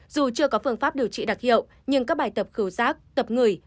dù chưa có phương pháp điều trị đặc hiệu nhưng các bài tập khẩu giác tập người